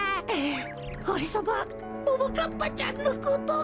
おれさまはももかっぱちゃんのことが。